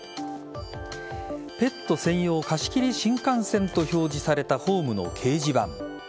ペット専用貸切新幹線と表示されたホームの掲示板。